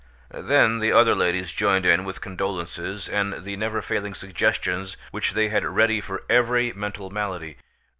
Then the other ladies joined in with condolences and the never failing suggestions which they had ready for every mental malady.